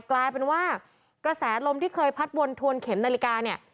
กลายเป็นว่ากระแสลมที่เคยพัดวนทวนเข็มนาฬิกาเนี่ย